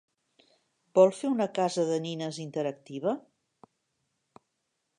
Vol fer una casa de nines interactiva?